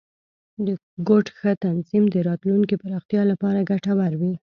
د کوډ ښه تنظیم، د راتلونکي پراختیا لپاره ګټور وي.